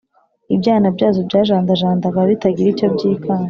ibyana byazo byajandajandaga bitagira icyo byikanga